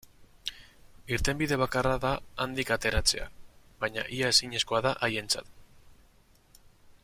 Irtenbide bakarra da handik ateratzea, baina ia ezinezkoa da haientzat.